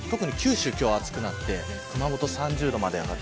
今日は特に暑くなって熊本、３０度まで上がる。